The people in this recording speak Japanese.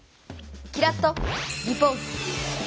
キラッとリポート！